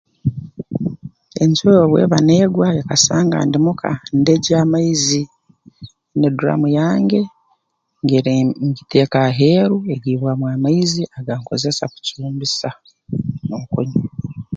Enjura obu eba neegwa ekasanga ndi mu ka ndegya amaizi nyina durraamu yange ngiree ngiteeka aheeru agiibwamu amaizi agankozesa kucumbisa n'okunywa